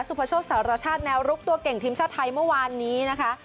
พชสารชาติแนวรุกตัวเก่งทีมชาติไทยเมื่อวานนี้นะคะ